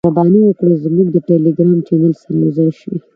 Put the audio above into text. مهرباني وکړئ زموږ د ټیلیګرام چینل سره یوځای شئ .